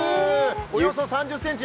およそ３０ｃｍ。